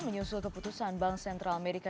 menyusul keputusan bank sentral amerika